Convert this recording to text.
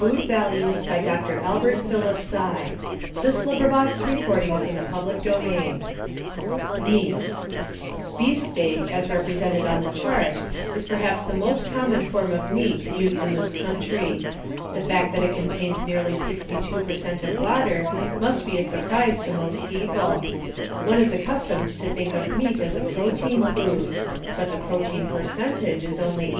9 Fat: 1.0 Ash: 1.8 1885 calories per POUND 495 calories per POUND Chart 2 — Eggs and Cheese Meat Beef Steak, as represented on the chart, is perhaps the most com mon form of meat used in this country. The fact that it contains nearly sixty two per cent of water must be a surprise to most people. One is accustomed to think of meat as a protein food, but the protein per centage is only 18.